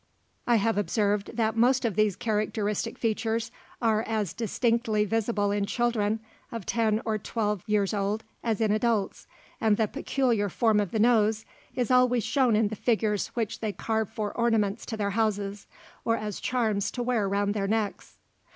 I have observed that most of these characteristic features are as distinctly visible in children of ten or twelve years old as in adults, and the peculiar form of the nose is always shown in the figures which they carve for ornaments to their houses, or as charms to wear round their necks.